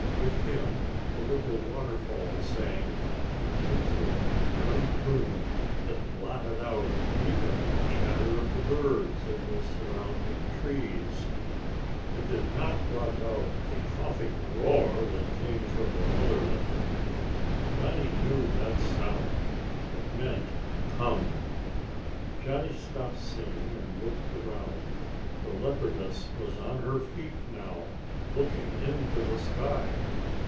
With him the little waterfall sang a tinkling, merry tune that blotted out even the chatter of the birds in the surrounding trees. It did not blot out a coughing roar that came from the mother leopard. Johnny knew that sound. It meant come! Johnny stopped singing and looked down. The leopardess was on her feet now, looking into the sky.